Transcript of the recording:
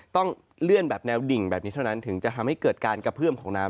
ต้องเลื่อนแบบแนวดิ่งแบบนี้เท่านั้นถึงจะทำให้เกิดการกระเพื่อมของน้ำ